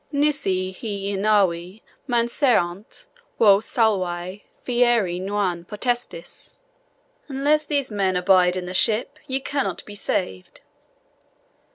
'NISI HI IN NAVI MANSERINT, VOS SALVI FIERI NON POTESTIS' Unless these men abide in the ship, ye cannot be saved.